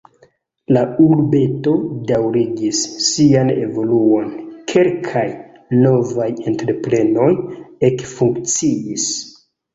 La urbeto daŭrigis sian evoluon, kelkaj novaj entreprenoj ekfunkciis.